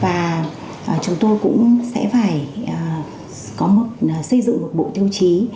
và chúng tôi cũng sẽ phải có một xây dựng một bộ tiêu chí